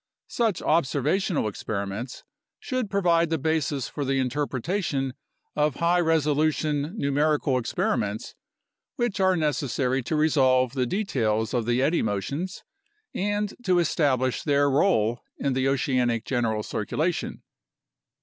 Such observational experiments should provide the basis for the interpretation of high resolution nu merical experiments, which are necessary to resolve the details of the eddy motions and to establish their role in the oceanic general circulation.